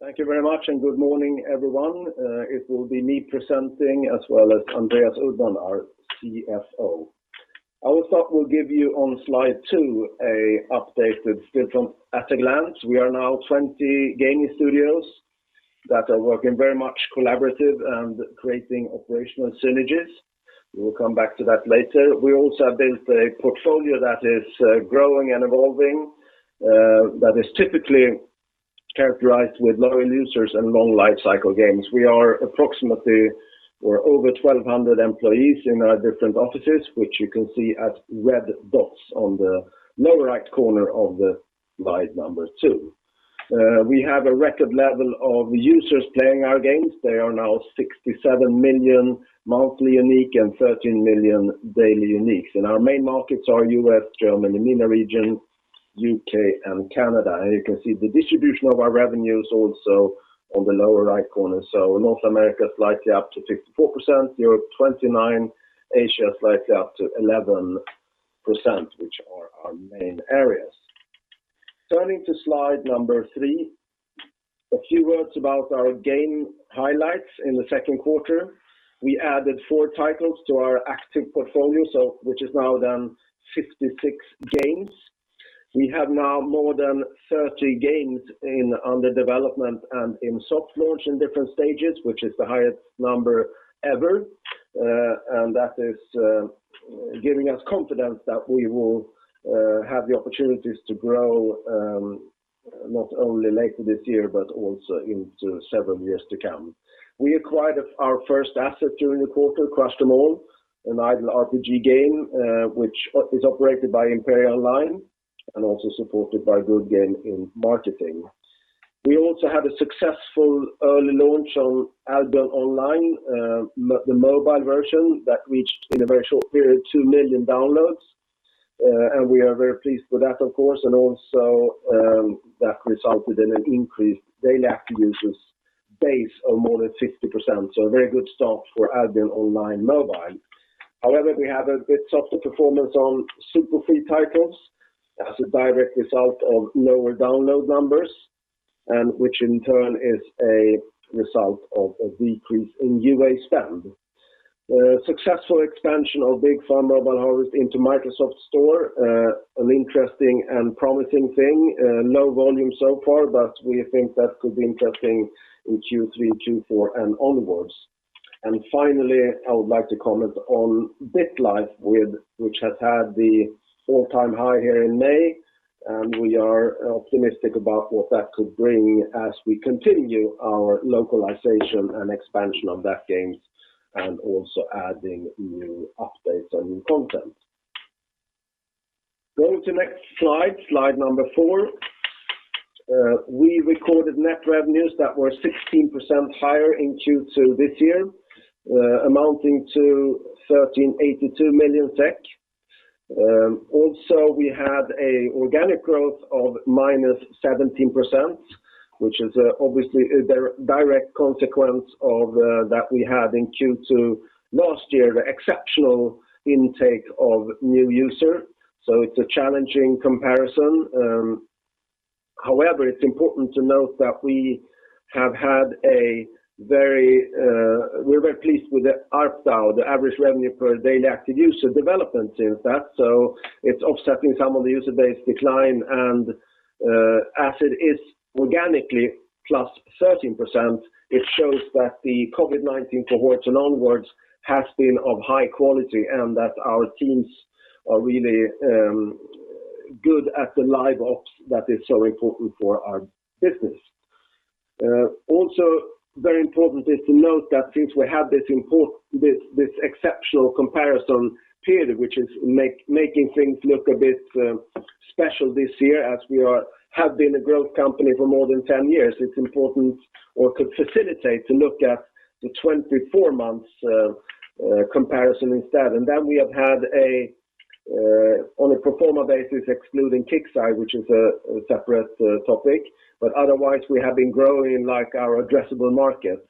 Thank you very much, and good morning, everyone. It will be me presenting as well as Andreas Uddman, our CFO. I will start with giving you on slide two an update with Stillfront at a glance. We are now 20 gaming studios that are working very much collaborative and creating operational synergies. We will come back to that later. We also have built a portfolio that is growing and evolving, that is typically characterized with loyal users and long lifecycle games. We are over 1,200 employees in our different offices, which you can see as red dots on the lower right corner of slide number two. We have a record level of users playing our games. There are now 67 million monthly unique and 13 million daily uniques. Our main markets are U.S., Germany, MENA region, U.K., and Canada. You can see the distribution of our revenues also on the lower right corner. North America is slightly up to 54%, Europe 29%, Asia slightly up to 11%, which are our main areas. Turning to slide number three, a few words about our game highlights in the second quarter. We added four titles to our active portfolio, which is now then 56 games. We have now more than 30 games under development and in soft launch in different stages, which is the highest number ever. That is giving us confidence that we will have the opportunities to grow, not only later this year, but also into several years to come. We acquired our first asset during the quarter, Crush Them All, an idle RPG game which is operated by Imperia Online and also supported by Goodgame Studios in marketing. We also had a successful early launch on Albion Online, the mobile version that reached in a very short period, two million downloads. We are very pleased with that, of course, and also that resulted in an increased Daily Active Users base of more than 50%. A very good start for Albion Online Mobile. However, we have a bit softer performance on SuperFree titles as a direct result of lower download numbers, and which in turn is a result of a decrease in UA spend. Successful expansion of Big Farm: Mobile Harvest into Microsoft Store, an interesting and promising thing. Low volume so far, but we think that could be interesting in Q3, Q4, and onwards. Finally, I would like to comment on BitLife, which has had the all-time high here in May, and we are optimistic about what that could bring as we continue our localization and expansion on that game, and also adding new updates and new content. Going to next slide four. We recorded net revenues that were 16% higher in Q2 this year, amounting to 1,382 million SEK. We had an organic growth of -17%, which is obviously a direct consequence of that we had in Q2 last year, the exceptional intake of new user. It's a challenging comparison. However, it's important to note that we are very pleased with the ARPDAU, the average revenue per daily active user development since that. It is offsetting some of the user base decline, and as it is organically plus 13%, it shows that the COVID-19 cohorts and onwards has been of high quality, and that our teams are really good at the live ops that is so important for our business. Also very important is to note that since we have this exceptional comparison period, which is making things look a bit special this year as we have been a growth company for more than 10 years, it is important or could facilitate to look at the 24 months comparison instead. We have had on a pro forma basis, excluding KIXEYE, which is a separate topic, but otherwise, we have been growing like our addressable market.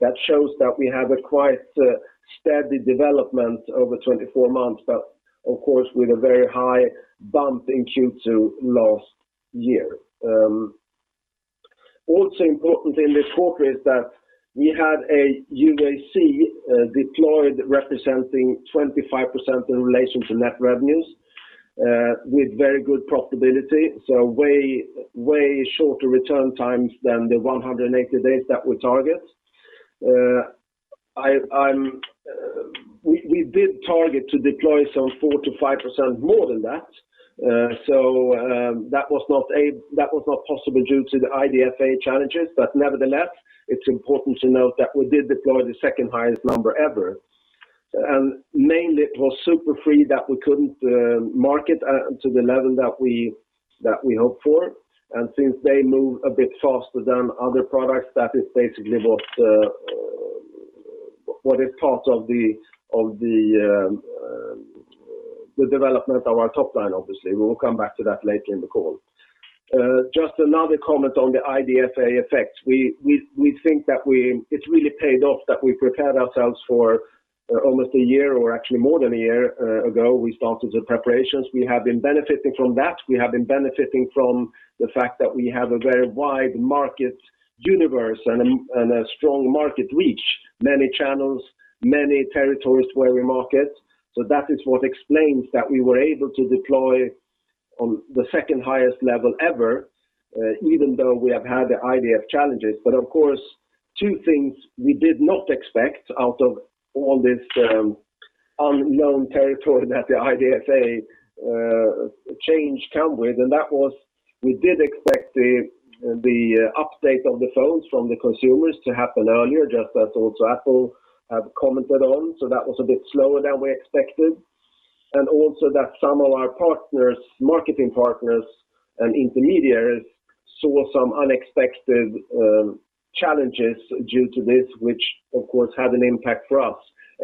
That shows that we have a quite steady development over 24 months, but of course, with a very high bump in Q2 last year. Also important in this quarter is that we had a UAC deployed representing 25% in relation to net revenues with very good profitability, so way shorter return times than the 180 days that we target. We did target to deploy some four to five percent more than that. That was not possible due to the IDFA challenges, but nevertheless, it is important to note that we did deploy the second highest number ever. Mainly it was Super Free that we couldn't market to the level that we hoped for, and since they move a bit faster than other products, that is basically what is part of the development of our top line, obviously. We will come back to that later in the call. Just another comment on the IDFA effect. We think that it's really paid off that we prepared ourselves for almost a year, or actually more than a year ago, we started the preparations. We have been benefiting from that. We have been benefiting from the fact that we have a very wide market universe and a strong market reach, many channels, many territories where we market. That is what explains that we were able to deploy on the second highest level ever, even though we have had the IDFA challenges. Of course, two things we did not expect out of all this unknown territory that the IDFA change come with, and that was, we did expect the update of the phones from the consumers to happen earlier, just as also Apple have commented on. That was a bit slower than we expected. Also that some of our partners, marketing partners and intermediaries, saw some unexpected challenges due to this, which of course, had an impact for us,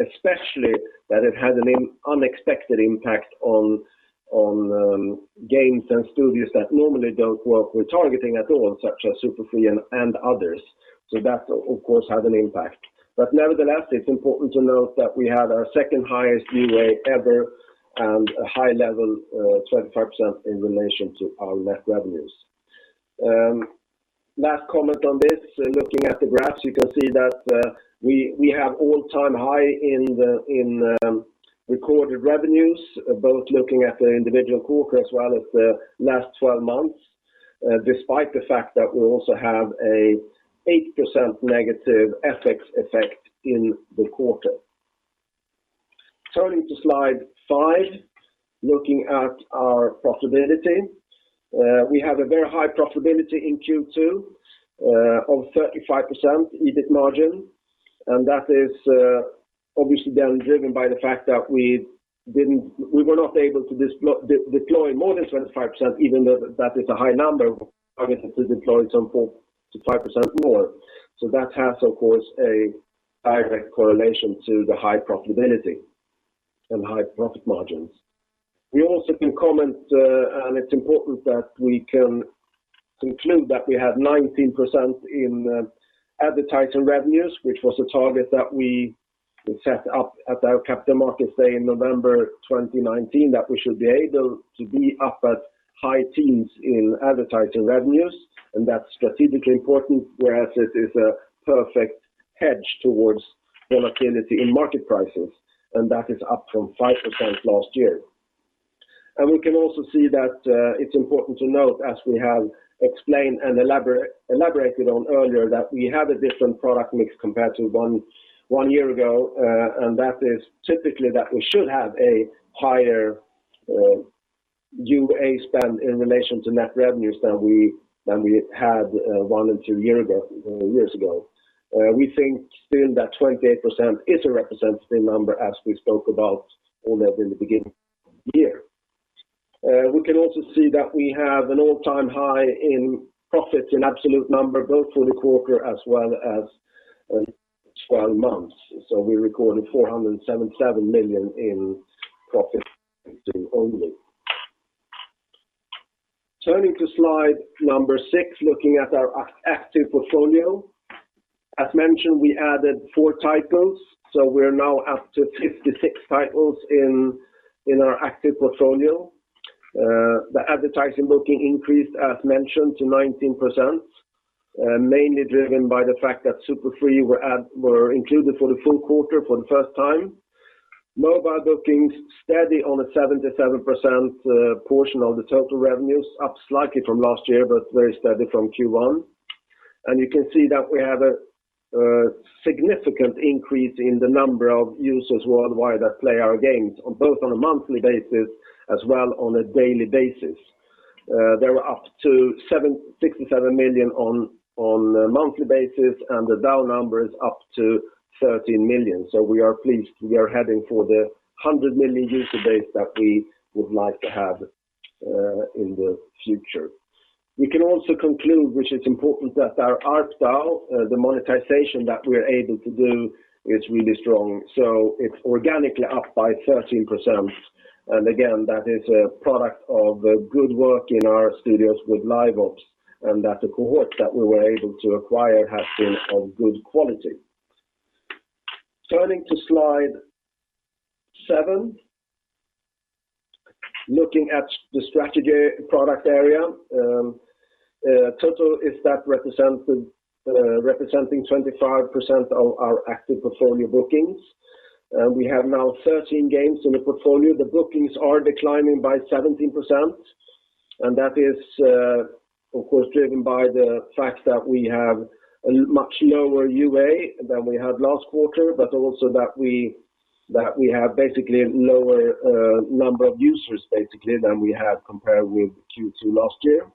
especially that it had an unexpected impact on games and studios that normally don't work with targeting at all, such as SuperFree and others. That, of course, had an impact. Nevertheless, it's important to note that we had our second highest UA ever and a high level, 25%, in relation to our net revenues. Last comment on this, looking at the graphs, you can see that we have all-time high in recorded revenues, both looking at the individual quarter as well as the last 12 months, despite the fact that we also have a eight percent negative FX effect in the quarter. Turning to slide five, looking at our profitability. We have a very high profitability in Q2 of 35% EBIT margin. That is obviously then driven by the fact that we were not able to deploy more than 25%, even though that is a high number, targeted to deploy some four to five percent more. That has, of course, a direct correlation to the high profitability and high profit margins. We also can comment, It is important that we can conclude that we have 19% in advertising revenues, which was a target that we set up at our Capital Markets Day in November 2019, that we should be able to be up at high teens in advertising revenues. That is strategically important, whereas it is a perfect hedge towards volatility in market prices. That is up from five percent last year. We can also see that it's important to note, as we have explained and elaborated on earlier, that we have a different product mix compared to one year ago, and that is typically that we should have a higher UA spend in relation to net revenues than we had one to two years ago. We think still that 28% is a representative number, as we spoke about all that in the beginning of the year. We can also see that we have an all-time high in profits in absolute number, both for the quarter as well as 12 months. We recorded 477 million in profit only. Turning to slide number 6, looking at our active portfolio. As mentioned, we added four titles, so we're now up to 56 titles in our active portfolio. The advertising booking increased, as mentioned, to 19%, mainly driven by the fact that SuperFree were included for the full quarter for the first time. Mobile booking is steady on a 77% portion of the total revenues, up slightly from last year, but very steady from Q1. You can see that we have a significant increase in the number of users worldwide that play our games, both on a monthly basis as well on a daily basis. They were up to 67 million on a monthly basis, and the DAU number is up to 13 million. We are pleased. We are heading for the 100 million user base that we would like to have in the future. We can also conclude, which is important, that our ARPDAU, the monetization that we're able to do, is really strong. It's organically up by 13%. Again, that is a product of good work in our studios with live ops, and that the cohort that we were able to acquire has been of good quality. Turning to slide seven, looking at the strategy product area. Total is that representing 25% of our active portfolio bookings. We have now 13 games in the portfolio. The bookings are declining by 17%, and that is, of course, driven by the fact that we have a much lower UA than we had last quarter, but also that we have basically a lower number of users, basically, than we have compared with Q2 last year.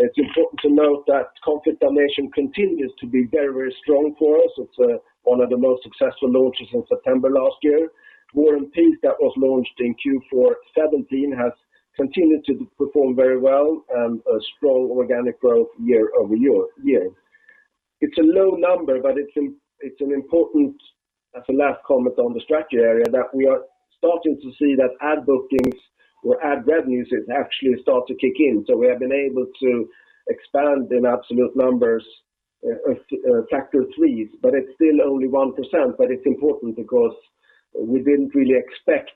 It's important to note that Conflict of Nations continues to be very strong for us. It's one of the most successful launches in September last year. War and Peace, that was launched in Q4 2017, has continued to perform very well, and a strong organic growth year-over-year. It's a low number, but it's important. As a last comment on the strategy area, that we are starting to see that ad bookings where ad revenues have actually started to kick in. We have been able to expand in absolute numbers factor three, but it's still only one percent. It's important because we didn't really expect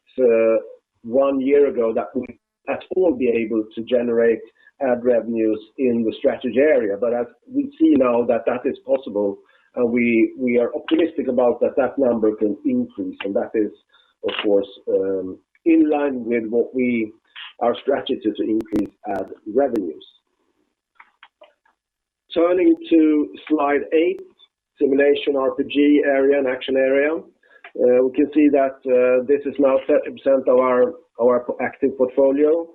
one year ago that we would at all be able to generate ad revenues in the strategy area. As we see now that is possible, we are optimistic about that number can increase, and that is, of course, in line with our strategy to increase ad revenues. Turning to slide eight, simulation RPG area and action area. We can see that this is now 30% of our active portfolio.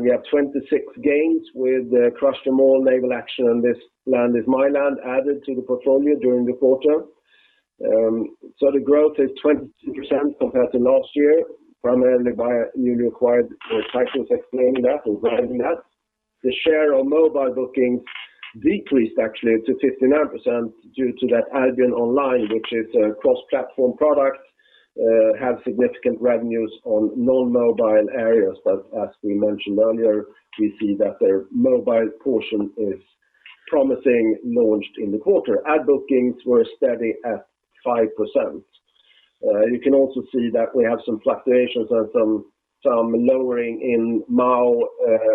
We have 26 games with Crush Them All, Naval Action, and This Land Is My Land added to the portfolio during the quarter. The growth is 22% compared to last year, primarily by newly acquired titles explaining that and driving that. The share of mobile bookings decreased actually to 59% due to that Albion Online, which is a cross-platform product, have significant revenues on non-mobile areas. As we mentioned earlier, we see that their mobile portion is promising, launched in the quarter. Ad bookings were steady at five percent. You can also see that we have some fluctuations and some lowering in MAU,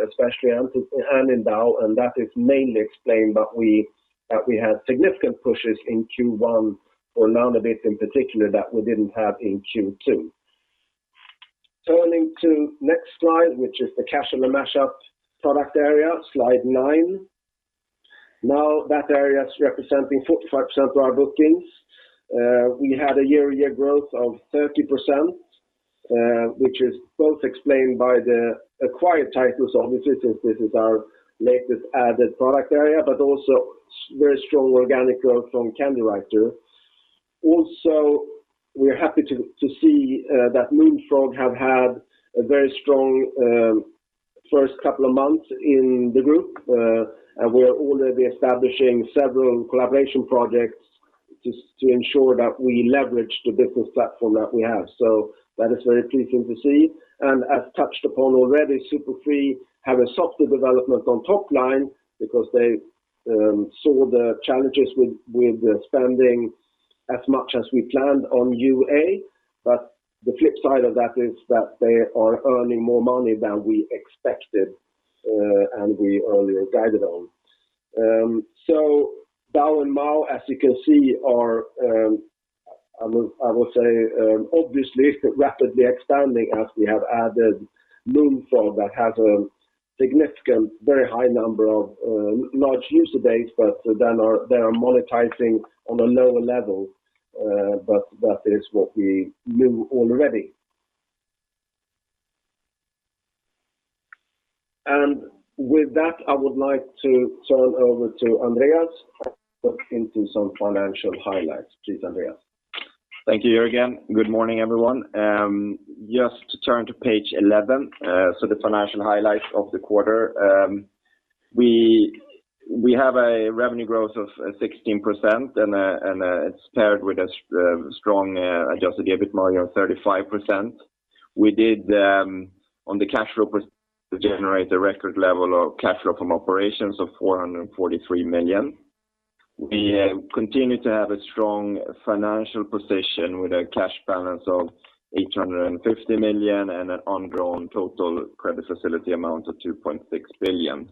especially and in DAU, and that is mainly explained by that we had significant pushes in Q1 for Land of Is in particular that we didn't have in Q2. Turning to next slide, which is the casual and match-up product area, slide nine. That area is representing 45% of our bookings. We had a year-over-year growth of 30%, which is both explained by the acquired titles, obviously, since this is our latest added product area, but also very strong organic growth from Candywriter. We are happy to see that Moonfrog have had a very strong first couple of months in the group, and we are already establishing several collaboration projects just to ensure that we leverage the business platform that we have. That is very pleasing to see. As touched upon already, SuperFree have a softer development on top line because they saw the challenges with spending as much as we planned on UA, but the flip side of that is that they are earning more money than we expected, and we earlier guided on. DAU and MAU, as you can see, are I would say, obviously rapidly expanding as we have added Moonfrog that has a significant, very high number of large user base, but they are monetizing on a lower level. That is what we knew already. With that, I would like to turn over to Andreas to look into some financial highlights. Please, Andreas. Thank you, Jörgen. Good morning, everyone. Just to turn to page 11, so the financial highlights of the quarter. We have a revenue growth of 16%, and it's paired with a strong adjusted EBIT margin of 35%. We did on the cash flow generate a record level of cash flow from operations of 443 million. We continue to have a strong financial position with a cash balance of 850 million and an undrawn total credit facility amount of 2.6 billion.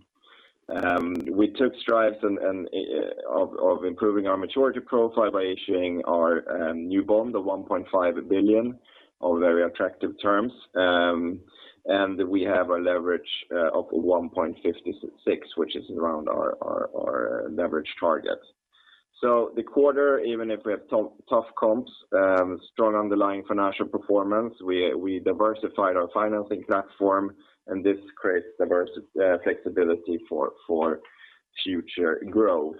We took strides of improving our maturity profile by issuing our new bond of 1.5 billion on very attractive terms. We have a leverage of 1.56, which is around our leverage target. The quarter, even if we have tough comps, strong underlying financial performance, we diversified our financing platform, and this creates diverse flexibility for future growth.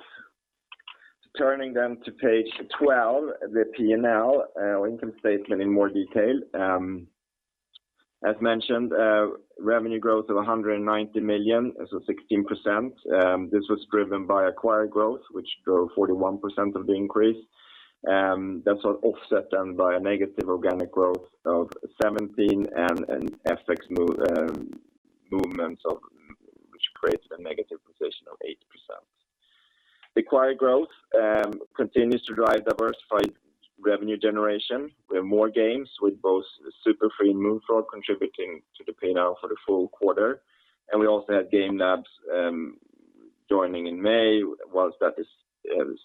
Turning to page 12, the P&L income statement in more detail. As mentioned, revenue growth of 190 million, so 16%. This was driven by acquired growth, which drove 41% of the increase. That's offset then by a negative organic growth of 17% and FX movements which creates a negative position of eight percent. Acquired growth continues to drive diversified revenue generation, with more games, with both SuperFree and Moonfrog contributing to the P&L for the full quarter. We also had Game Labs joining in May. While that is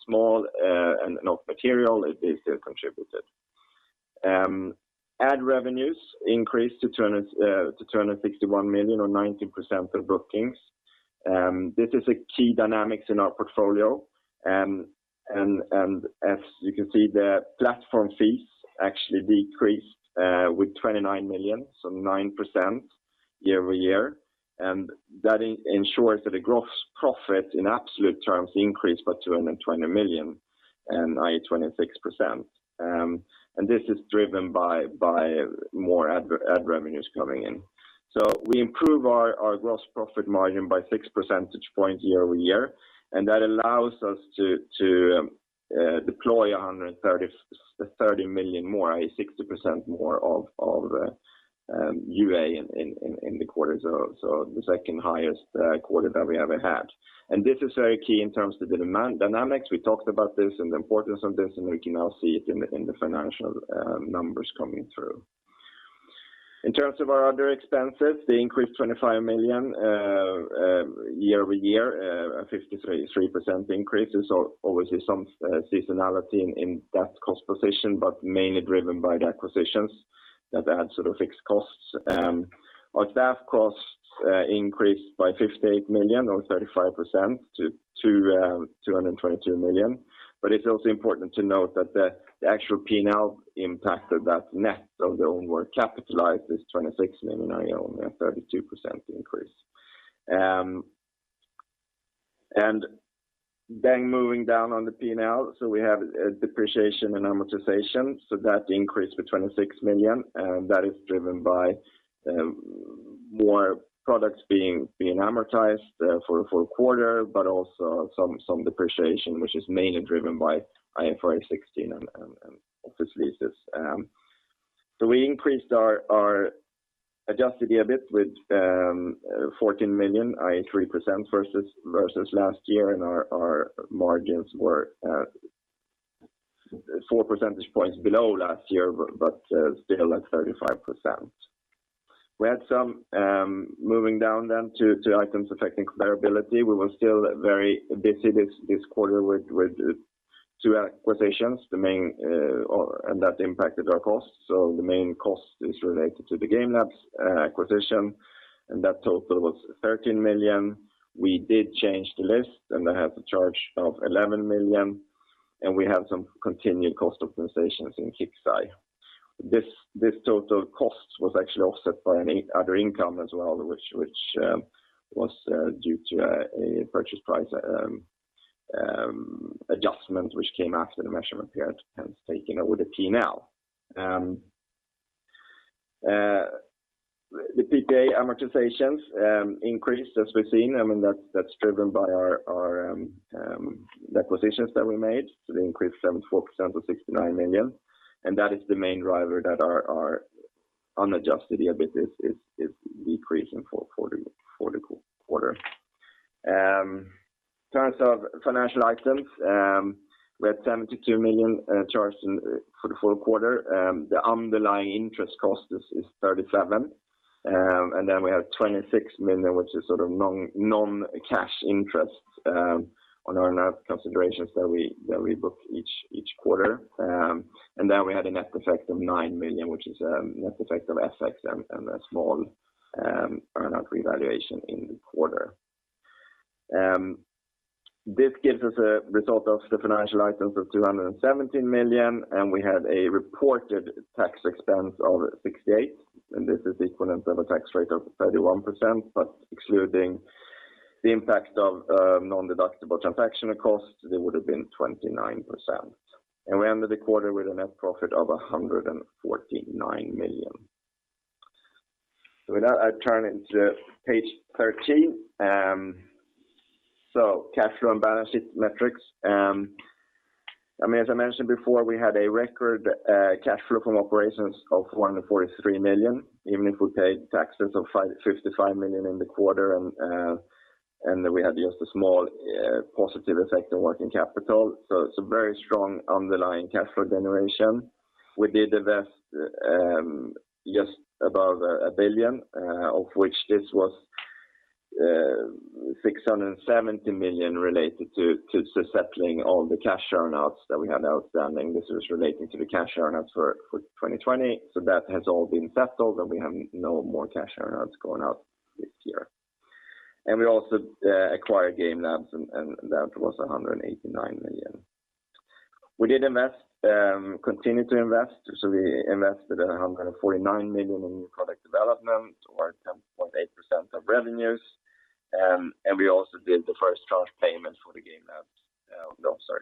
small and not material, it still contributed. Ad revenues increased to 261 million or 19% of bookings. This is a key dynamics in our portfolio. As you can see, the platform fees actually decreased with 29 million, so nine percent year-over-year. That ensures that the gross profit in absolute terms increased by 220 million and 26%. This is driven by more ad revenues coming in. We improve our gross profit margin by six percentage points year-over-year, and that allows us to deploy 130 million more, i.e., 60% more of UA in the quarter. The second-highest quarter that we ever had. This is very key in terms of the demand dynamics. We talked about this and the importance of this, and we can now see it in the financial numbers coming through. In terms of our other expenses, they increased 25 million year-over-year, a 53% increase. Obviously some seasonality in that cost position, but mainly driven by the acquisitions that add sort of fixed costs. Our staff costs increased by 58 million or 35% to 222 million. It's also important to note that the actual P&L impact of that net of the onward capitalized is 26 million, i.e., only a 32% increase. Moving down on the P&L, we have depreciation and amortization. That increased to 26 million, and that is driven by more products being amortized for a full quarter, but also some depreciation, which is mainly driven by IFRS 16 and office leases. We increased our adjusted EBIT with 14 million, i.e., three percent versus last year, and our margins were four percentage points below last year but still at 35%. Moving down to items affecting comparability. We were still very busy this quarter with two acquisitions, and that impacted our costs. The main cost is related to the Game Labs acquisition, and that total was 13 million. We did change the list, and that had a charge of 11 million, and we had some continued cost optimizations in KIXEYE. This total cost was actually offset by other income as well, which was due to a purchase price adjustment which came after the measurement period, hence taken over the P&L. The PPA amortizations increased as we've seen, and that's driven by our acquisitions that we made. They increased 74% to 69 million, and that is the main driver that our unadjusted EBIT is decreasing for the quarter. In terms of financial items, we had 72 million charged for the full quarter. The underlying interest cost is 37, and then we have 26 million, which is sort of non-cash interest on earn-out considerations that we book each quarter. We had a net effect of 9 million, which is a net effect of FX and a small earn-out revaluation in the quarter. This gives us a result of the financial items of 217 million, and we had a reported tax expense of 68, and this is equivalent to a tax rate of 31%, but excluding the impact of non-deductible transaction costs, it would have been 29%. We ended the quarter with a net profit of 149 million. With that, I turn into page 13. Cash flow and balance sheet metrics. As I mentioned before, we had a record cash flow from operations of 143 million, even if we paid taxes of 55 million in the quarter and we had just a small positive effect on working capital. It's a very strong underlying cash flow generation. We did invest just above 1 billion, of which this was 670 million related to settling all the cash earn-outs that we had outstanding. This is relating to the cash earn-outs for 2020. That has all been settled, and we have no more cash earn-outs going out this year. We also acquired Game Labs, and that was 189 million. We did continue to invest, so we invested 149 million in new product development or 10.8% of revenues. We also did the first charge payment for the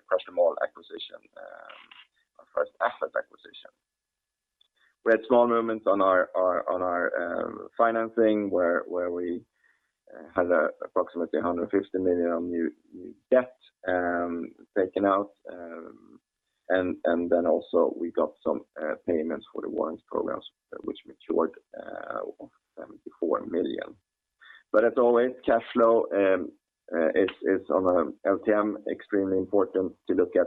Crush Them All acquisition, our first asset acquisition. We had small movements on our financing where we had approximately 150 million on new debt taken out. Also we got some payments for the warrants programs which matured of 74 million. As always, cash flow is on LTM extremely important to look at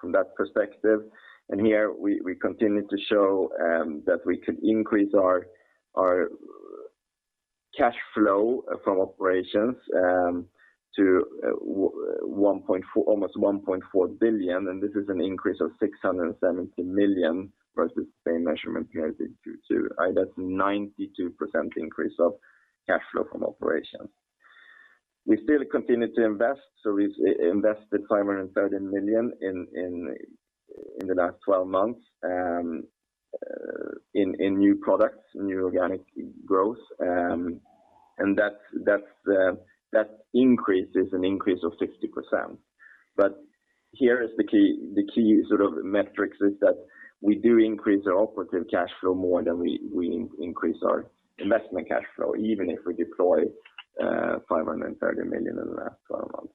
from that perspective. Here we continue to show that we could increase our cash flow from operations to almost 1.4 billion, this is an increase of 670 million versus the same measurement period in Q2. That's 92% increase of cash flow from operations. We still continue to invest, we've invested 530 million in the last 12 months, in new products, new organic growth. That increases an increase of 60%. Here is the key metrics is that we do increase our operative cash flow more than we increase our investment cash flow, even if we deploy 530 million in the last 12 months.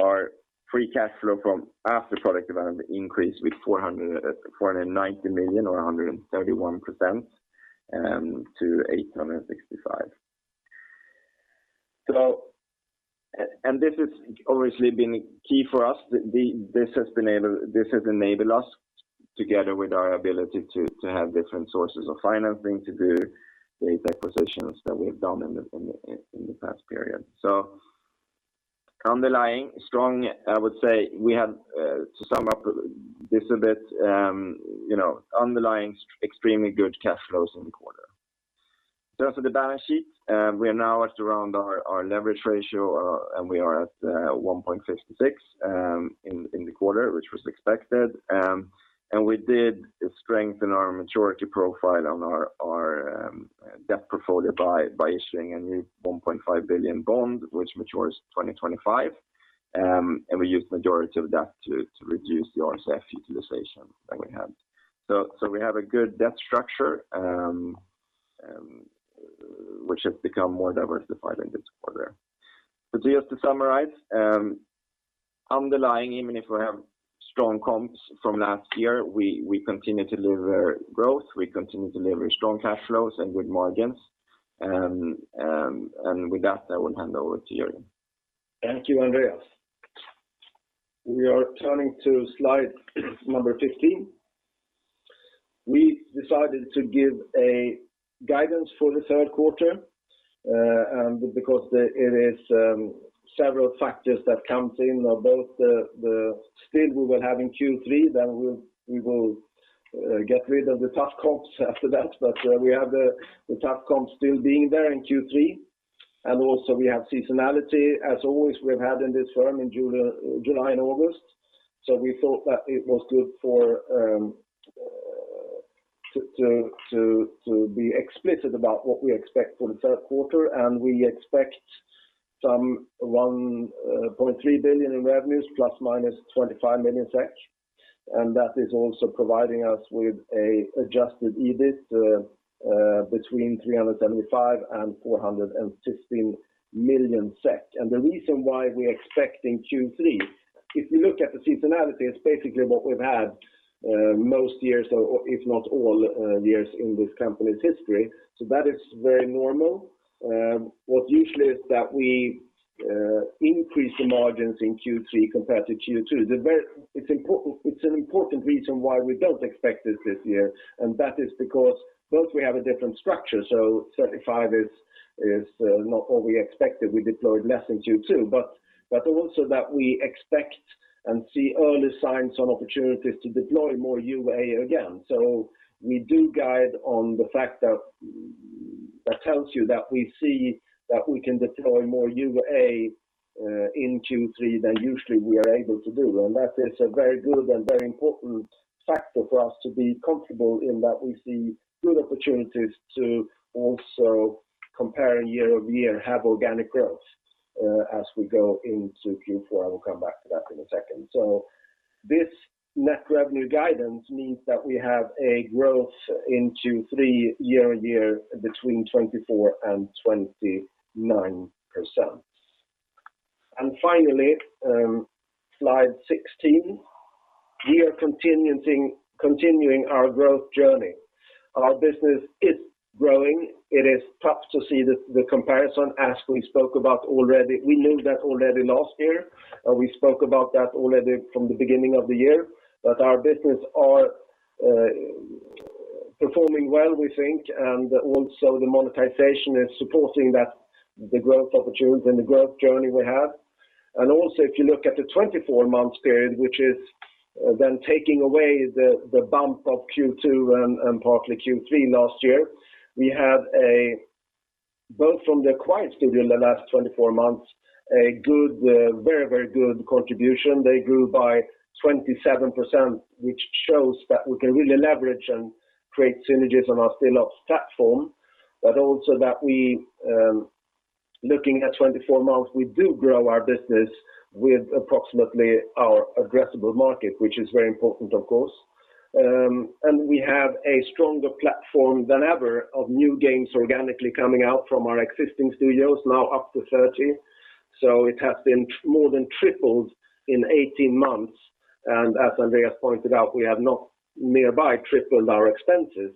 Our free cash flow from after product development increased with 490 million or 131% to 865 million. This has obviously been key for us. This has enabled us, together with our ability to have different sources of financing to do the acquisitions that we have done in the past period. Underlying strong, I would say we have to sum up this a bit, underlying extremely good cash flows in the quarter. As for the balance sheet, we are now at around our leverage ratio, and we are at 1.56 in the quarter, which was expected. We did strengthen our maturity profile on our debt portfolio by issuing a new 1.5 billion bond, which matures 2025, and we used majority of that to reduce the RCF utilization that we had. We have a good debt structure, which has become more diversified in this quarter. Just to summarize, underlying, even if we have strong comps from last year, we continue to deliver growth, we continue to deliver strong cash flows and good margins. With that, I will hand over to you. Thank you, Andreas. We are turning to slide number 15. We decided to give a guidance for the third quarter, because it is several factors that comes in of both the Stillfront we will have in Q3. We will get rid of the tough comps after that. We have the tough comps still being there in Q3, and also we have seasonality as always we've had in this firm in July and August. We thought that it was good to be explicit about what we expect for the third quarter. We expect some 1.3 billion in revenues, ±25 million SEK, and that is also providing us with a adjusted EBIT between 375 million SEK and 416 million. The reason why we are expecting Q3, if you look at the seasonality, it's basically what we've had most years or if not all years in this company's history. That is very normal. What usually is that we increase the margins in Q3 compared to Q2. It's an important reason why we don't expect it this year, and that is because both we have a different structure, so 35 is not what we expected. We deployed less in Q2, but also that we expect and see early signs on opportunities to deploy more UA again. We do guide on the fact that tells you that we see that we can deploy more UA in Q3 than usually we are able to do. That is a very good and very important factor for us to be comfortable in that we see good opportunities to also comparing year-over-year, have organic growth as we go into Q4. I will come back to that in a second. This net revenue guidance means that we have a growth in Q3 year-over-year between 24% and 29%. Finally, slide 16. We are continuing our growth journey. Our business is growing. It is tough to see the comparison as we spoke about already. We knew that already last year, and we spoke about that already from the beginning of the year. Our business are performing well, we think, and also the monetization is supporting that, the growth opportunities and the growth journey we have. Also if you look at the 24 months period, which is then taking away the bump of Q2 and partly Q3 last year, we have both from the acquired studio in the last 24 months, a very good contribution. They grew by 27%, which shows that we can really leverage and create synergies on our Stillfront platform, but also that we, looking at 24 months, we do grow our business with approximately our addressable market, which is very important, of course. We have a stronger platform than ever of new games organically coming out from our existing studios, now up to 30. It has been more than tripled in 18 months. As Andreas pointed out, we have not nearby tripled our expenses.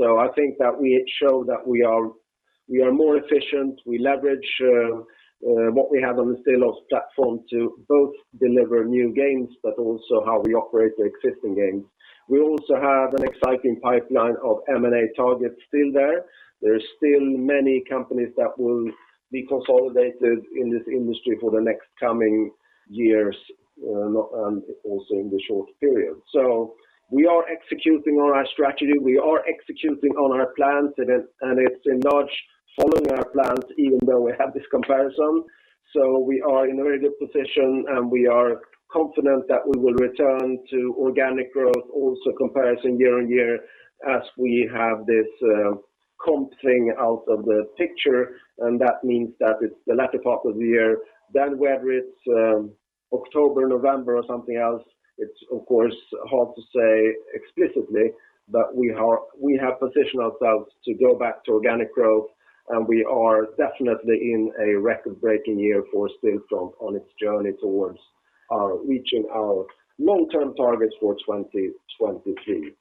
I think that we show that we are more efficient. We leverage what we have on the Stillfront platform to both deliver new games, but also how we operate the existing games. We also have an exciting pipeline of M&A targets still there. There are still many companies that will be consolidated in this industry for the next coming years, and also in the short period. We are executing on our strategy, we are executing on our plans, and it's largely following our plans, even though we have this comparison. We are in a very good position, and we are confident that we will return to organic growth also comparison year-on-year, as we have this comp thing out of the picture, and that means that it's the latter part of the year. Whether it's October, November, or something else, it's, of course, hard to say explicitly, but we have positioned ourselves to go back to organic growth, and we are definitely in a one record-breaking year for Stillfront on its journey towards reaching our long-term targets for 2023.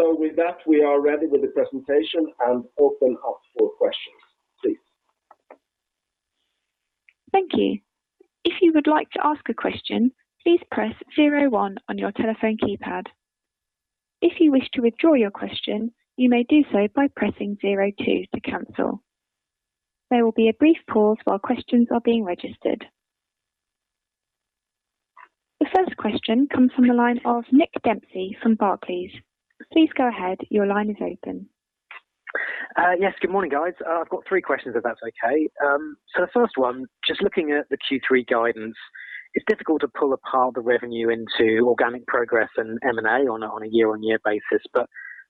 With that, we are ready with the presentation and open up for questions, please. Thank you. If you would like to ask a question, please press zero one on your telephone keypad. If you wish to withdraw your question, you may do so by pressing zero two to cancel. There will be a brief pause while questions are being registered. The first question comes from the line of Nick Dempsey from Barclays. Please go ahead. Your line is open. Yes, good morning, guys. I've got three questions, if that's okay. The first one, just looking at the Q3 guidance, it's difficult to pull apart the revenue into organic progress and M&A on a year-on-year basis.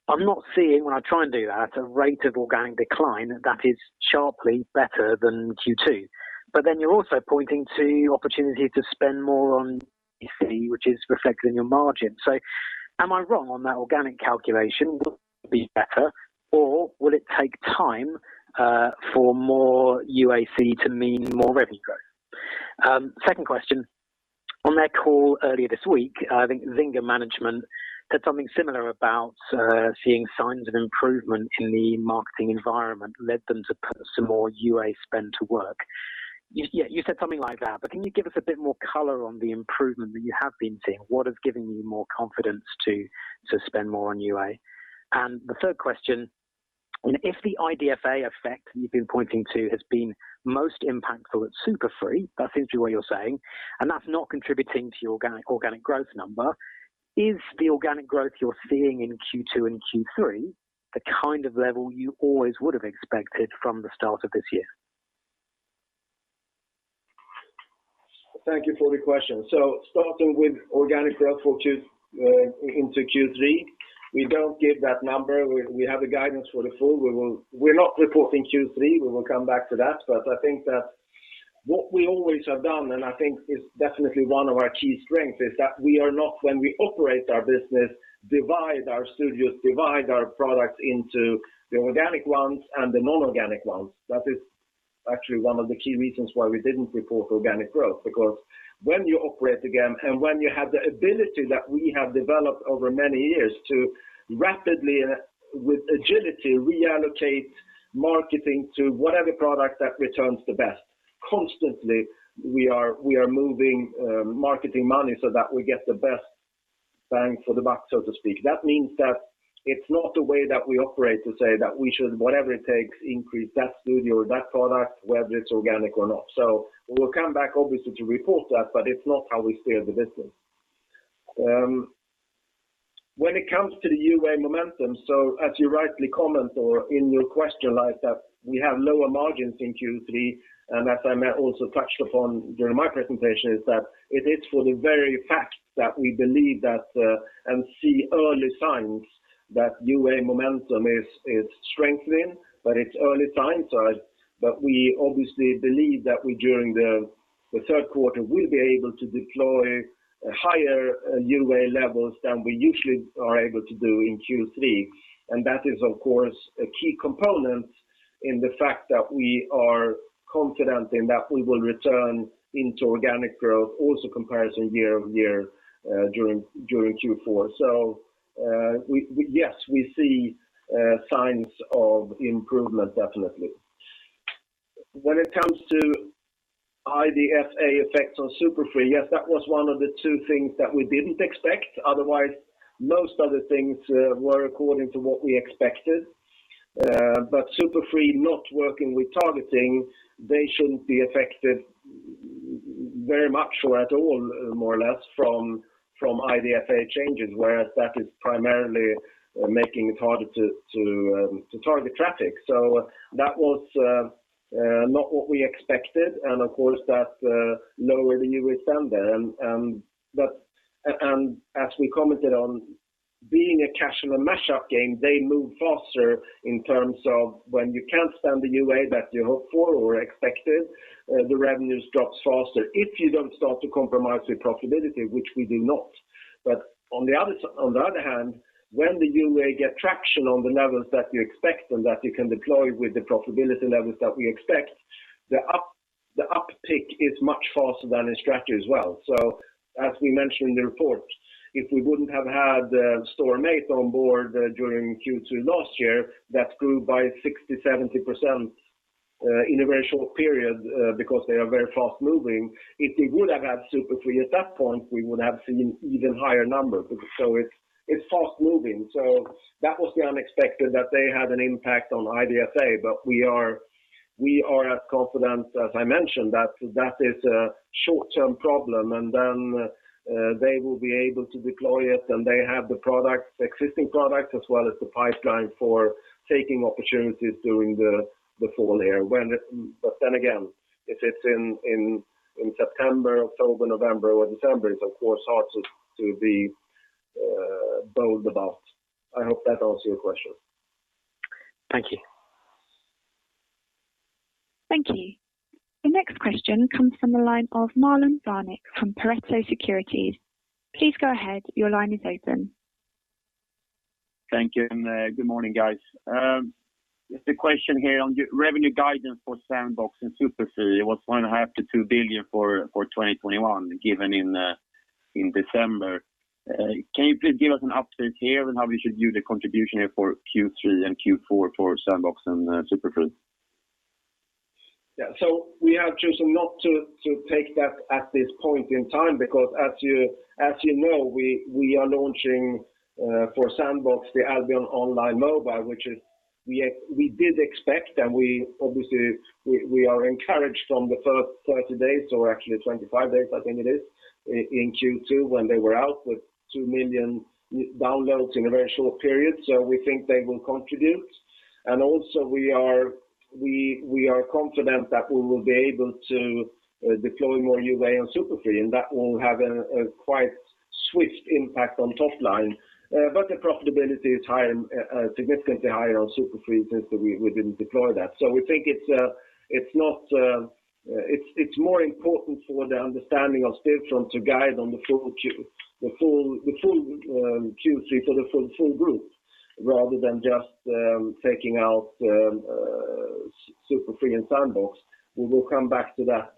I'm not seeing, when I try and do that, a rate of organic decline that is sharply better than Q2. You're also pointing to opportunity to spend more on UAC, which is reflected in your margin. Am I wrong on that organic calculation? Will it be better, or will it take time for more UAC to mean more revenue growth? Second question, on their call earlier this week, I think Zynga management said something similar about seeing signs of improvement in the marketing environment led them to put some more UA spend to work. You said something like that, but can you give us a bit more color on the improvement that you have been seeing? What is giving you more confidence to spend more on UA? The third question, if the IDFA effect you've been pointing to has been most impactful at SuperFree, that seems to be what you're saying, and that's not contributing to your organic growth number, is the organic growth you're seeing in Q2 and Q3 the kind of level you always would have expected from the start of this year? Thank you for the question. Starting with organic growth into Q3, we don't give that number. We have the guidance for the full. We're not reporting Q3. We will come back to that. I think that what we always have done, and I think is definitely one of our key strengths, is that we are not, when we operate our business, divide our studios, divide our products into the organic ones and the non-organic ones. That is actually one of the key reasons why we didn't report organic growth, because when you operate the game and when you have the ability that we have developed over many years to rapidly, with agility, reallocate marketing to whatever product that returns the best constantly, we are moving marketing money so that we get the best bang for the buck, so to speak. That means that it's not the way that we operate to say that we should, whatever it takes, increase that studio or that product, whether it's organic or not. We'll come back obviously to report that, but it's not how we steer the business. When it comes to the UA momentum, so as you rightly comment or in your question like that, we have lower margins in Q3, and as I also touched upon during my presentation, is that it is for the very fact that we believe that and see early signs that UA momentum is strengthening, but it's early signs. We obviously believe that during the third quarter, we'll be able to deploy higher UA levels than we usually are able to do in Q3. That is, of course, a key component in the fact that we are confident in that we will return into organic growth also comparison year-over-year during Q4. Yes, we see signs of improvement, definitely. When it comes to IDFA effects on SuperFree, yes, that was one of the two things that we didn't expect. Otherwise, most other things were according to what we expected. SuperFree not working with targeting, they shouldn't be affected very much or at all, more or less, from IDFA changes, whereas that is primarily making it harder to target traffic. That was not what we expected, and of course, that lower the UA spend there. As we commented on being a casual mashup game, they move faster in terms of when you can't spend the UA that you hope for or expected, the revenues drops faster if you don't start to compromise your profitability, which we do not. On the other hand, when the UA get traction on the levels that you expect and that you can deploy with the profitability levels that we expect, the uptick is much faster than in strategy as well. As we mentioned in the report, if we wouldn't have had Storm8 on board during Q2 last year, that grew by 60%-70% in a very short period because they are very fast-moving. If we would have had SuperFree at that point, we would have seen even higher numbers. It's fast-moving. That was the unexpected that they had an impact on IDFA. We are as confident as I mentioned that that is a short-term problem, and then they will be able to deploy it, and they have the existing product as well as the pipeline for taking opportunities during the fall here. Then again, if it's in September, October, November, or December, it's of course hard to be bold about. I hope that answers your question. Thank you. Thank you. The next question comes from the line of Marlon Värnik from Pareto Securities. Please go ahead. Thank you. Good morning, guys. Just a question here on your revenue guidance for Sandbox and Superfree. It was 1.5 billion-2 billion for 2021 given in December. Can you please give us an update here on how we should view the contribution here for Q3 and Q4 for Sandbox and Superfree? We have chosen not to take that at this point in time because as you know, we are launching, for Sandbox, the Albion Online mobile. Obviously we are encouraged from the first 20 days, or actually 25 days, I think it is, in Q2 when they were out with two million downloads in a very short period. We think they will contribute. Also, we are confident that we will be able to deploy more UA on Superfree, that will have a quite swift impact on top line. The profitability is significantly higher on Superfree since we didn't deploy that. We think it's more important for the understanding of Stillfront to guide on the full Q3 for the full group, rather than just taking out Superfree and Sandbox. We will come back to that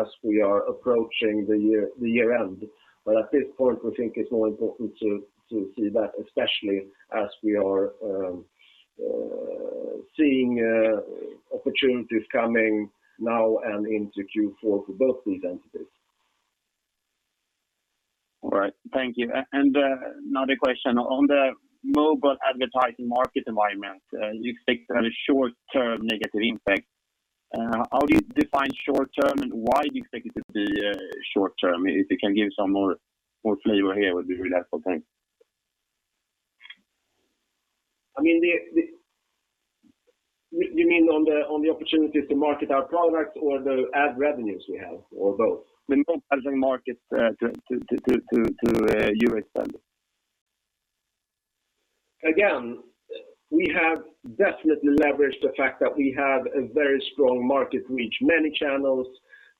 as we are approaching the year end. At this point, we think it's more important to see that, especially as we are seeing opportunities coming now and into Q4 for both these entities. All right. Thank you. Another question. On the mobile advertising market environment, you expect a short-term negative impact. How do you define short-term, and why do you think it will be short-term? If you can give some more flavor here, would be really helpful. Thanks. You mean on the opportunities to market our products, or the ad revenues we have, or both? The mobile advertising market to U.S. standards. We have definitely leveraged the fact that we have a very strong market reach, many channels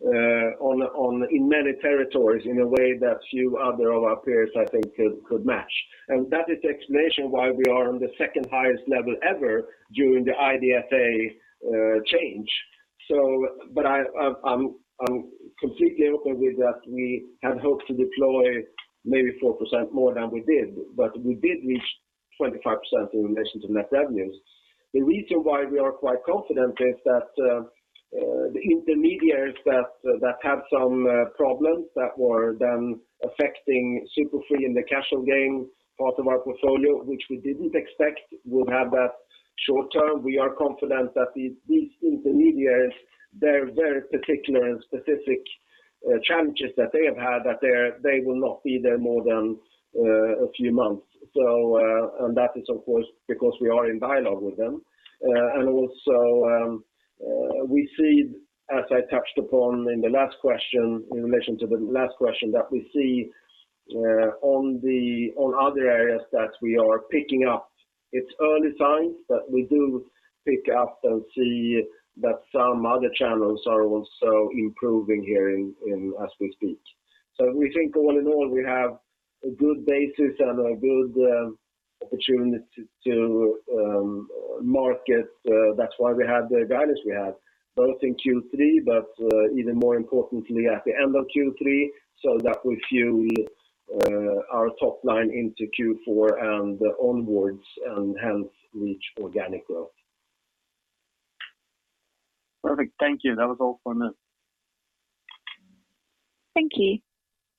in many territories in a way that few other of our peers, I think could match. That is the explanation why we are on the second highest level ever during the IDFA change. I'm completely open with that we had hoped to deploy maybe four percent more than we did, but we did reach 25% in relation to net revenues. The reason why we are quite confident is that the intermediaries that had some problems that were then affecting Super Free Games in the casual game part of our portfolio, which we didn't expect would have that short-term. We are confident that these intermediaries, their very particular and specific challenges that they have had, that they will not be there more than a few months. That is, of course, because we are in dialogue with them. Also, we see, as I touched upon in relation to the last question, that we see on other areas that we are picking up. It's early signs, but we do pick up and see that some other channels are also improving here as we speak. We think all in all, we have a good basis and a good opportunity to market. That's why we have the guidance we have, both in Q3, but even more importantly at the end of Q3, so that we fuel our top line into Q4 and onwards, and hence reach organic growth. Perfect. Thank you. That was all from us. Thank you.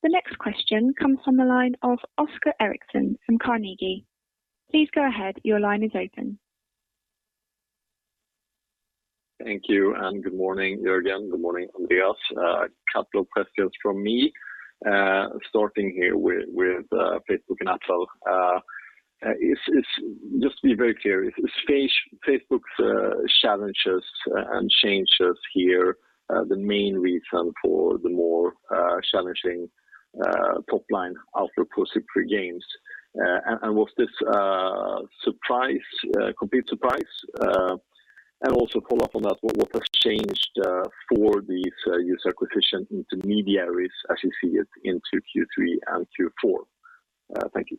The next question comes from the line of Oscar Erixon from Carnegie. Please go ahead. Your line is open. Thank you, and good morning, Jörgen. Good morning, Andreas. A couple of questions from me. Starting here with Facebook and Apple. Just to be very clear, is Facebook's challenges and changes here the main reason for the more challenging top line outlook for Super Free Games? Was this complete surprise? Also follow up on that, what has changed for these user acquisition intermediaries as you see it into Q3 and Q4? Thank you.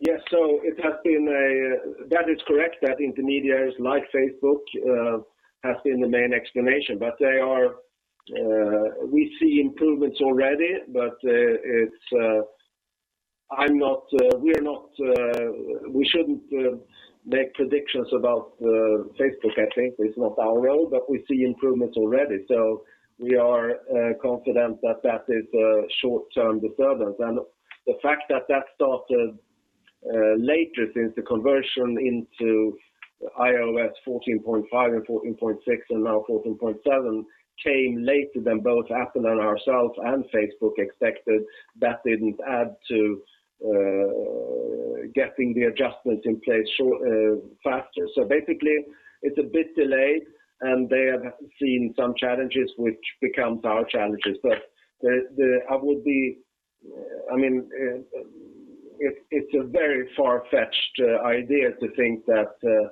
Yes. That is correct, that intermediaries like Facebook have been the main explanation. We see improvements already, but we shouldn't make predictions about Facebook, I think. It's not our role. We see improvements already. We are confident that that is a short-term disturbance, and the fact that that started later since the conversion into iOS 14.5 and iOS 14.6, and now iOS 14.7 came later than both Apple and ourselves, and Facebook expected, that didn't add to getting the adjustments in place faster. Basically, it's a bit delayed, and they have seen some challenges which becomes our challenges. It's a very far-fetched idea to think that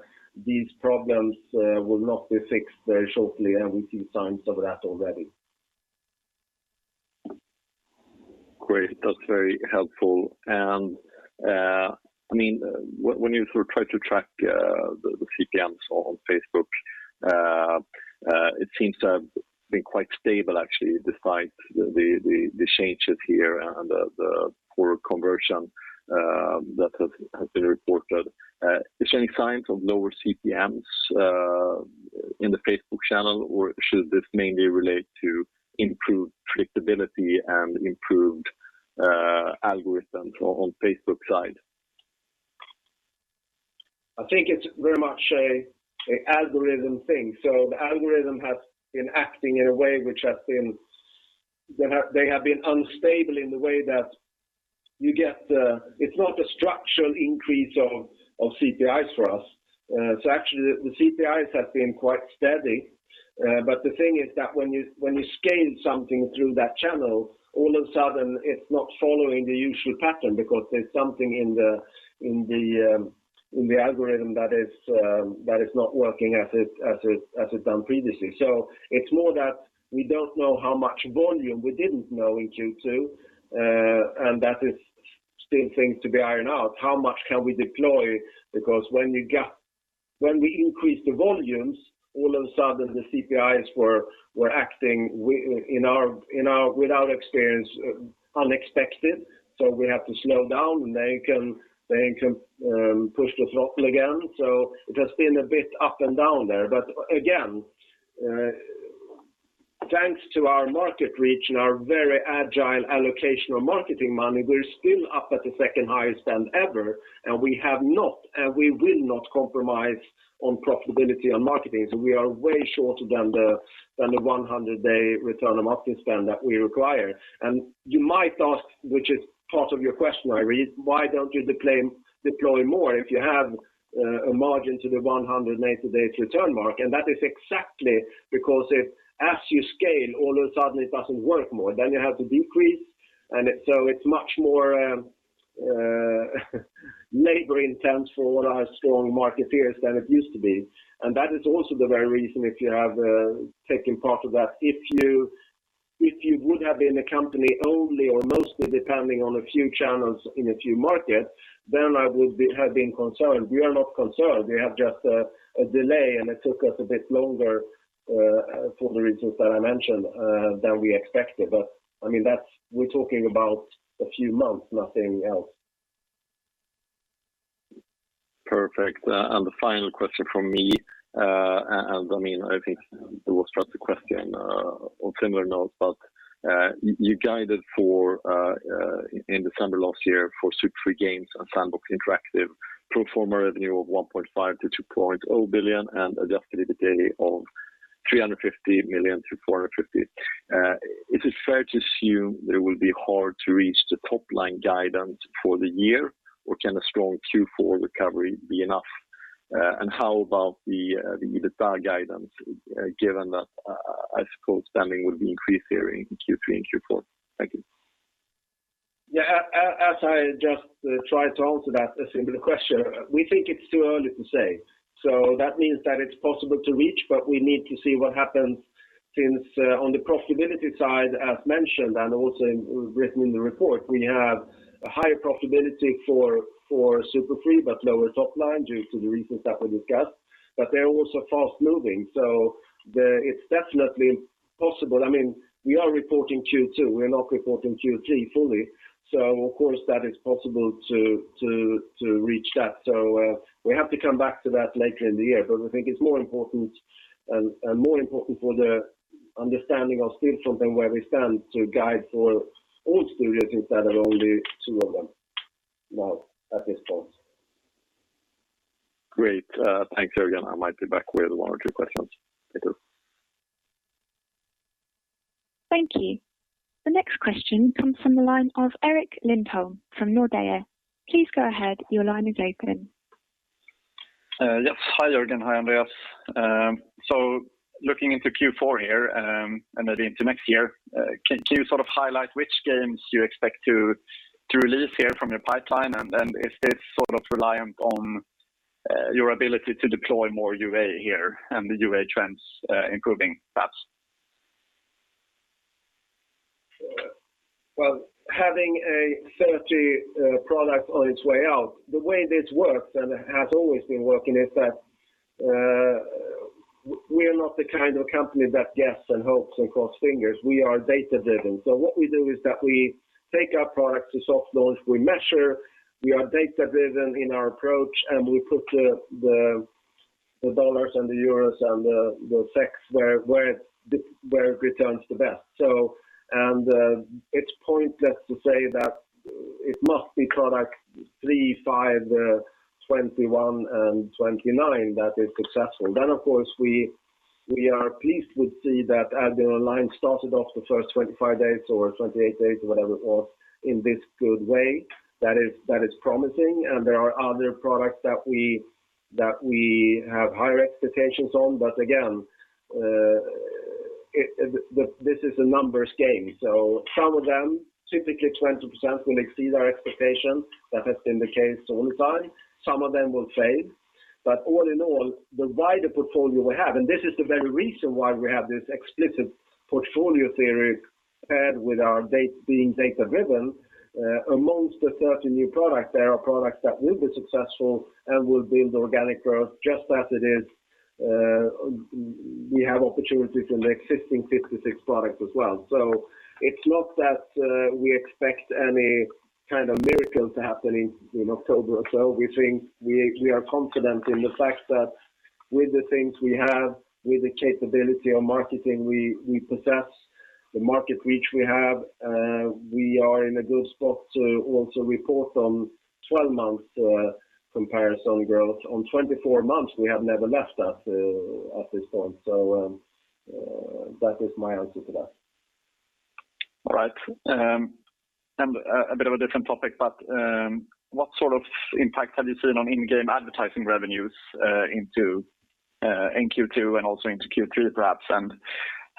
these problems will not be fixed very shortly. We see signs of that already. Great. That's very helpful. When you try to track the CPMs on Facebook, it seems to have been quite stable actually, despite the changes here and the poor conversion that has been reported. Is there any signs of lower CPMs in the Facebook channel, or should this mainly relate to improved predictability and improved algorithms on Facebook side? I think it's very much a algorithm thing. The algorithm has been acting in a way which they have been unstable in the way that it's not a structural increase of CPIs for us. Actually, the CPIs have been quite steady. The thing is that when you scale something through that channel, all of a sudden it's not following the usual pattern because there's something in the algorithm that is not working as it's done previously. It's more that we don't know how much volume we didn't know in Q2, and that is still things to be ironed out. How much can we deploy? Because when we increased the volumes, all of a sudden the CPIs were acting without experience, unexpected. We have to slow down and then can push the throttle again. It has been a bit up and down there. Again, thanks to our market reach and our very agile allocation of marketing money, we're still up at the second highest spend ever, and we have not, and we will not compromise on profitability on marketing. We are way shorter than the 100-day return on marketing spend that we require. You might ask, which is part of your question, I read, why don't you deploy more if you have a margin to the 100, 90-day return mark? That is exactly because if as you scale, all of a sudden it doesn't work more, you have to decrease, it's much more labor intense for what our strong market here is than it used to be. That is also the very reason if you have taken part of that. If you would have been a company only or mostly depending on a few channels in a few markets, then I would have been concerned. We are not concerned. We have just a delay, and it took us a bit longer, for the reasons that I mentioned, than we expected. We're talking about a few months, nothing else. Perfect. The final question from me, and I think there was just a question on similar notes, but you guided in December last year for Super Free Games on Sandbox Interactive pro forma revenue of 1.5 billion-2.0 billion and adjusted EBITDA of 350 million-450 million. Is it fair to assume that it will be hard to reach the top-line guidance for the year, or can a strong Q4 recovery be enough? How about the EBITDA guidance given that, I suppose spending would be increased here in Q3 and Q4? Thank you. Yeah. As I just tried to answer that similar question, we think it's too early to say. That means that it's possible to reach, but we need to see what happens since on the profitability side, as mentioned, and also written in the report, we have a higher profitability for SuperFree, but lower top line due to the reasons that we discussed. They're also fast-moving, so it's definitely possible. We are reporting Q2, we're not reporting Q3 fully, so of course, that is possible to reach that. We have to come back to that later in the year. I think it's more important for the understanding of Stillfront and where we stand to guide for all studios instead of only two of them now at this point. Great. Thanks, Jörgen. I might be back with one or two questions later. Thank you. The next question comes from the line of Erik Lindholm-Röjestål from Nordea. Please go ahead. Yes. Hi, Jörgen. Hi, Andreas. Looking into Q4 here, and then into next year, can you highlight which games you expect to release here from your pipeline? Is this reliant on your ability to deploy more UA here and the UA trends improving perhaps? Well, having a 30 product on its way out, the way this works and has always been working is that we are not the kind of company that guess and hopes and cross fingers. We are data-driven. What we do is that we take our products to soft launch, we measure, we are data-driven in our approach, and we put the dollars and the euros and the SEK where it returns the best. It's pointless to say that it must be product three, five, 21, and 29 that is successful. Of course, we are pleased to see that Albion Online started off the first 25 days or 28 days, whatever it was, in this good way that is promising. There are other products that we have higher expectations on. Again, this is a numbers game. Some of them, typically 20%, will exceed our expectations. That has been the case all the time. Some of them will fade. All in all, the wider portfolio we have, and this is the very reason why we have this explicit portfolio theory paired with our being data-driven, amongst the 30 new products, there are products that will be successful and will build organic growth just as it is. We have opportunities in the existing 56 products as well. It is not that we expect any kind of miracles to happen in October or so. We are confident in the fact that with the things we have, with the capability of marketing we possess, the market reach we have, we are in a good spot to also report on 12 months comparison growth. On 24 months, we have never left that at this point. That is my answer to that. All right. A bit of a different topic, but what sort of impact have you seen on in-game advertising revenues in Q2 and also into Q3 perhaps?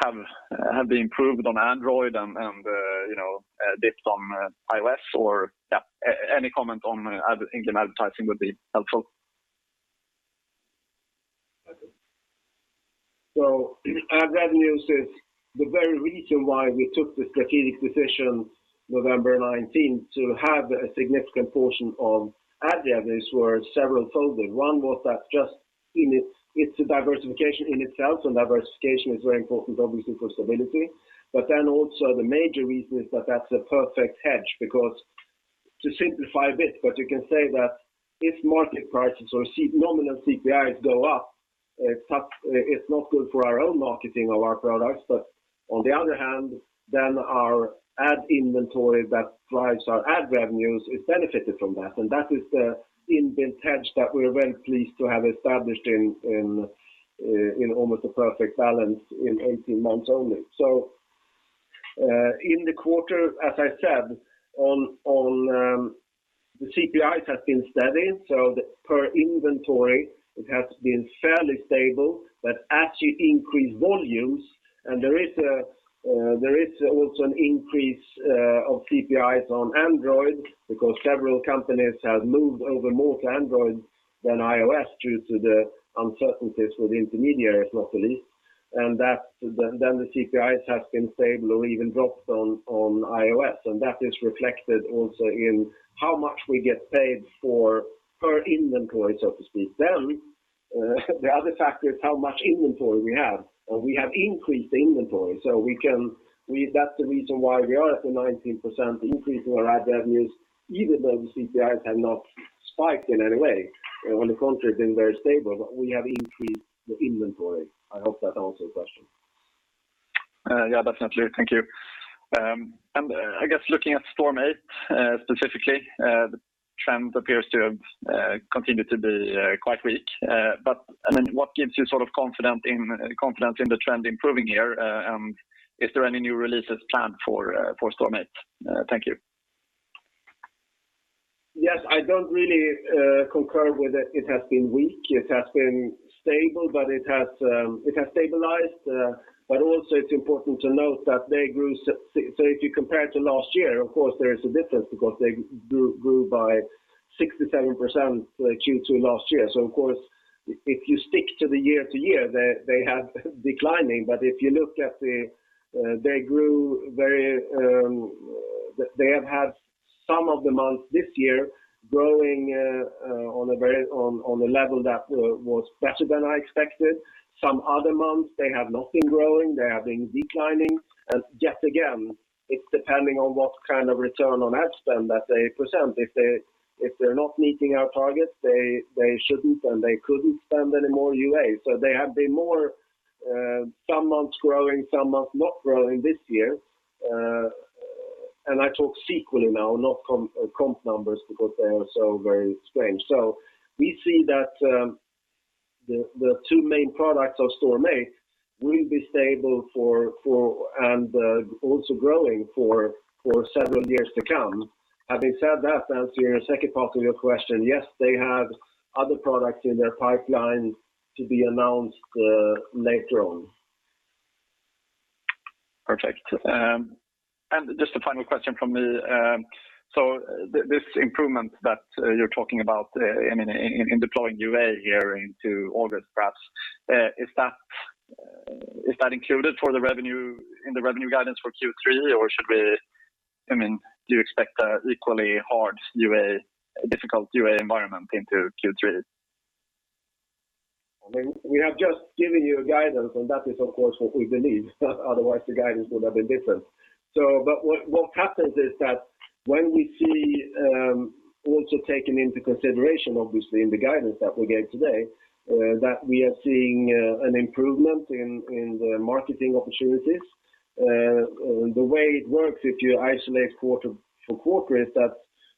Have they improved on Android and dipped on iOS? Or any comment on in-game advertising would be helpful? Ad revenues is the very reason why we took the strategic decision November 2019 to have a significant portion of ad revenues were several-folded. One was that just it's a diversification in itself, and diversification is very important obviously for stability. Also the major reason is that that's a perfect hedge because to simplify a bit, but you can say that if market prices or nominal CPIs go up, it's not good for our own marketing of our products. On the other hand, our ad inventory that drives our ad revenues is benefited from that. That is the inbuilt hedge that we're well-pleased to have established in almost a perfect balance in 18 months only. In the quarter, as I said, the CPIs have been steady. The per inventory has been fairly stable, but as you increase volumes, there is also an increase of CPIs on Android because several companies have moved over more to Android than iOS due to the uncertainties with intermediaries, mostly. The CPIs have been stable or even dropped on iOS. That is reflected also in how much we get paid for per inventory, so to speak. The other factor is how much inventory we have, and we have increased the inventory. That's the reason why we are at the 19% increase in our ad revenues, even though the CPIs have not spiked in any way. On the contrary, they have been very stable, but we have increased the inventory. I hope that answers your question. Yeah, definitely. Thank you. I guess looking at Storm8 specifically, the trend appears to have continued to be quite weak. What gives you confidence in the trend improving here? Is there any new releases planned for Storm8? Thank you. Yes, I don't really concur with it. It has been weak. It has been stable, but it has stabilized. Also it's important to note that they grew. If you compare to last year, of course there is a difference because they grew by 67% Q2 last year. Of course, if you stick to the year-to-year, they have declining, but if you look at they have had some of the months this year growing on a level that was better than I expected. Some other months, they have not been growing, they have been declining. Yet again, it's depending on what kind of return on ad spend that they present. If they're not meeting our targets, they shouldn't and they couldn't spend any more UA. They have been more, some months growing, some months not growing this year. I talk sequels now, not comp numbers because they are so very strange. We see that the two main products of Storm8 will be stable and also growing for several years to come. Having said that, to answer your second part of your question, yes, they have other products in their pipeline to be announced later on. Perfect. Just a final question from me. This improvement that you're talking about in deploying UA here into August perhaps, is that included in the revenue guidance for Q3, or do you expect an equally hard UA, difficult UA environment into Q3? We have just given you a guidance, and that is, of course, what we believe. Otherwise, the guidance would have been different. What happens is that when we see also taken into consideration, obviously, in the guidance that we gave today, that we are seeing an improvement in the marketing opportunities. The way it works if you isolate quarter for quarter is that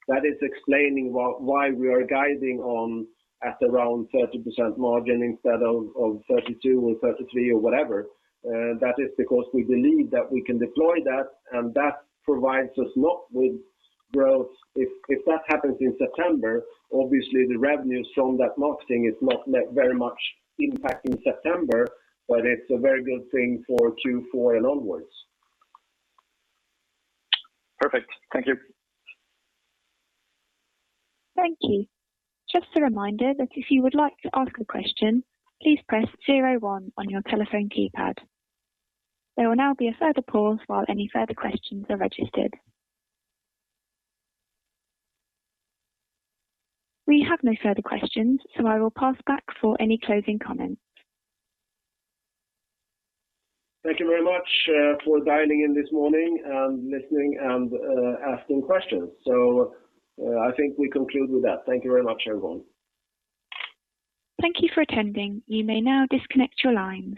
that is explaining why we are guiding on at around 30% margin instead of 32 or 33 or whatever. That is because we believe that we can deploy that, and that provides us not with growth. If that happens in September, obviously the revenues from that marketing is not very much impacted in September, but it's a very good thing for Q4 and onwards. Perfect. Thank you. Thank you. Just a reminder that if you would like to ask a question, please press 01 on your telephone keypad. There will now be a further pause while any further questions are registered. We have no further questions, so I will pass back for any closing comments. Thank you very much for dialing in this morning and listening and asking questions. I think we conclude with that. Thank you very much, everyone. Thank you for attending. You may now disconnect your lines.